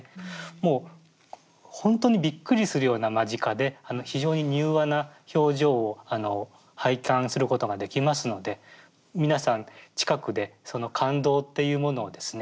もうほんとにびっくりするような間近で非常に柔和な表情を拝観することができますので皆さん近くでその感動っていうものをですね